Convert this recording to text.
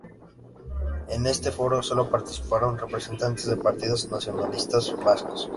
En este foro sólo participaron representantes de partidos nacionalistas vascos.